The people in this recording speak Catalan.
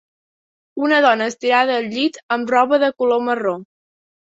Una dona estirada al llit amb roba de color marró